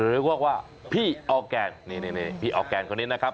เรียกว่าพี่ออกแก่นพี่ออกแก่นคนนี้นะครับ